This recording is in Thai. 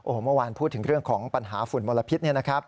โอ้โหเมื่อวานพูดถึงเรื่องของปัญหาฝุ่นมลพิษ